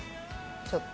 ちょっと。